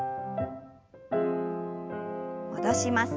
戻します。